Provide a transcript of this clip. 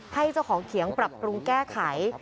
ให้เจ้าของเขียงปรับปรุงแก้ไข